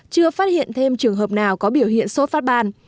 chưa phát hiện thêm trường hợp nào có biểu hiện sốt phát ban